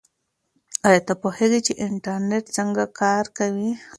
آیا ته پوهېږې چې انټرنیټ څنګه کار کوي؟